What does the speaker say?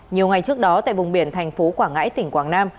nhiều ngày trước đó tại vùng biển thành phố quảng ngãi tỉnh quảng nam